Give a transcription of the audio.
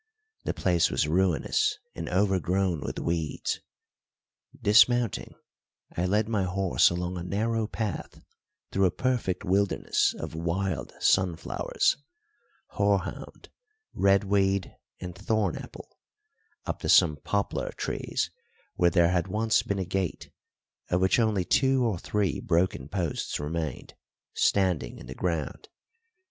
The place was ruinous and overgrown with weeds. Dismounting, I led my horse along a narrow path through a perfect wilderness of wild sunflowers, horehound, red weed, and thorn apple, up to some poplar trees where there had once been a gate, of which only two or three broken posts remained standing in the ground.